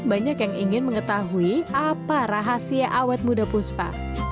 banyak yang ingin mengetahui apa rahasia awet muda puspa